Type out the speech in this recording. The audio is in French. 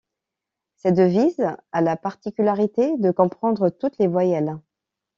Cette devise a la particularité de comprendre toutes les voyelles.